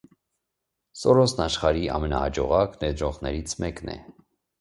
Սորոսն աշխարհի ամենահաջողակ ներդրողներից մեկն է։